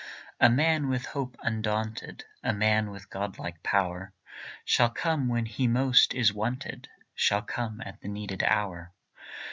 A man with hope undaunted, A man with godlike power, Shall come when he most is wanted, Shall come at the needed hour.